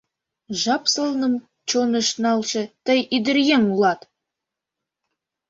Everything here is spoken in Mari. Жап сылным чоныш налше, Тый ӱдыръеҥ улат!